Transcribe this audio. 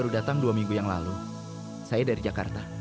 ketang dua minggu yang lalu saya dari jakarta